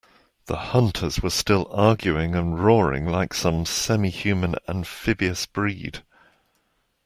The hunters were still arguing and roaring like some semi-human amphibious breed.